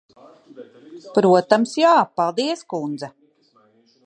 Protams, jā. Paldies, kundze.